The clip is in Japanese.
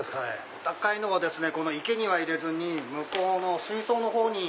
お高いのは池には入れずに向こうの水槽の方に。